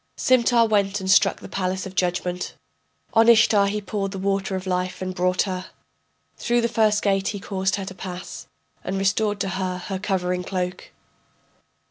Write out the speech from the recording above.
Simtar went and struck the palace of judgment, On Ishtar he poured the water of life and brought her. Through the first gate he caused her to pass, And restored to her her covering cloak.